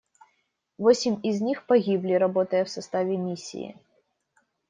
Восемь из них погибли, работая в составе Миссии.